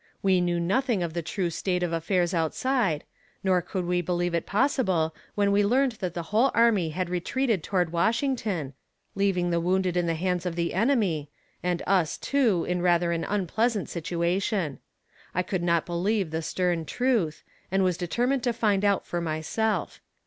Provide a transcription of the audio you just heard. We knew nothing of the true state of affairs outside, nor could we believe it possible when we learned that the whole army had retreated toward Washington, leaving the wounded in the hands of the enemy, and us, too, in rather an unpleasant situation. I could not believe the stern truth, and was determined to find out for myself.